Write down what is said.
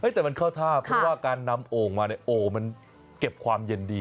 แต่มันเข้าท่าเพราะว่าการนำโอ่งมาเนี่ยโอ่งมันเก็บความเย็นดี